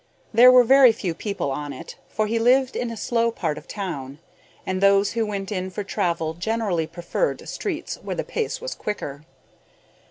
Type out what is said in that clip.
There were very few people on it, for he lived in a slow part of town, and those who went in for travel generally preferred streets where the pace was quicker.